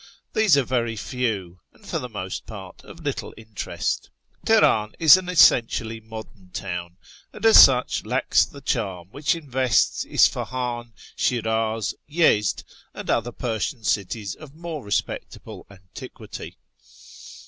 These are very few, and, for the most part, of little interest. Teheran is an essentially modern town, and as such lacks the charm which invests Isfahan, Shiriiz, Yezd, and other Persian cities of more respectable antiquity.